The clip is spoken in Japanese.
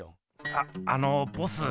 ああのボス。